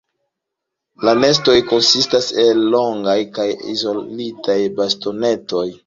La nestoj konsistas el longaj kaj izolitaj bastonetoj.